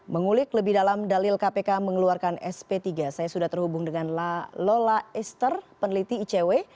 mengulik lebih dalam dalil kpk mengeluarkan sp tiga saya sudah terhubung dengan la lola ester peneliti icw